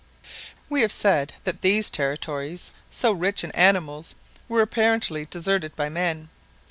We have said that these territories, so rich in animals, were apparently deserted by men.